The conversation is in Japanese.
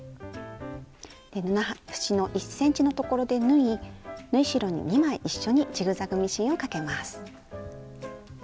布端の１ｃｍのところで縫い縫い代に２枚一緒にジグザグミシンをかけます。